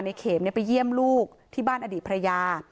ในเข็มไปเยี่ยมลูกที่บ้านอดีตภรรยา